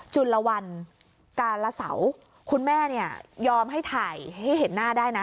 จุลวันการละเสาคุณแม่เนี่ยยอมให้ถ่ายให้เห็นหน้าได้นะ